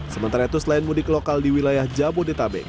sementara itu selain mudik lokal di wilayah jabodetabek